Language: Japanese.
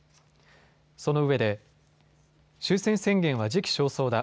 そのうえで終戦宣言は時期尚早だ。